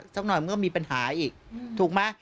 สักหน่อยมันก็มีปัญหาอีกถูกไหม